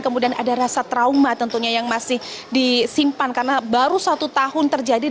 kemudian ada rasa trauma tentunya yang masih disimpan karena baru satu tahun terjadi